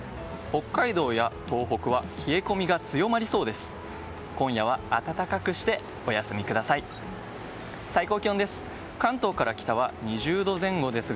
北海道や東北は冷え込みが強まりそうです。